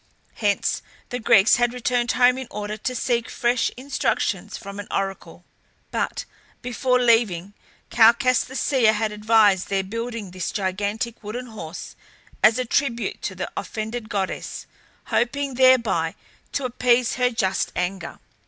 Hence the Greeks had returned home in order to seek fresh instructions from an oracle. But before leaving, Calchas the seer had advised their building this gigantic wooden horse as a tribute to the offended goddess, hoping thereby to appease her just anger.